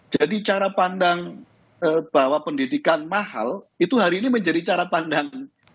jadi cara pandang bahwa pendidikan mahal itu hari ini menjadi cara pandang